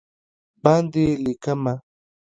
باندې لېکمه